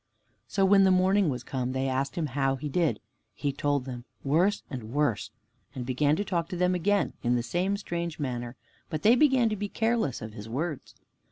So when the morning was come, they asked him how he did. He told them, "Worse and worse," and began to talk to them again in the same strange manner, but they began to be careless of his words.